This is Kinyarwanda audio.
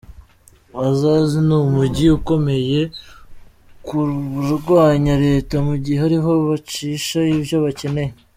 Azaz ni umuji ukomeye ku barwanya leta, mu gihe ariho bacisha ivyo bakeneye.